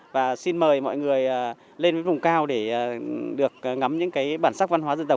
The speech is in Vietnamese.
và xin mời mọi người lên với vùng cao để được ngắm những cái bản sắc văn hóa dân tộc